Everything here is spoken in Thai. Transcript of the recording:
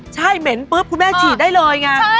ใช่เหม็นปุ๊บคุณแม่ฉีดได้เลยไง